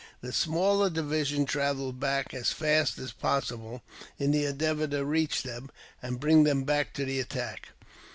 The smaller division travelled back as fast as possible in the endeavour to reach them, and bring them back to the attack.